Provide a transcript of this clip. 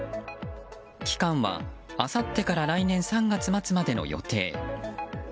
期間はあさってから来年３月末までの予定。